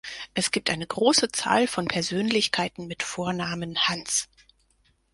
Es gibt eine große Zahl von Persönlichkeiten mit Vornamen Hans.